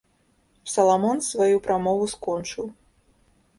Саламон сваю прамову скончыў.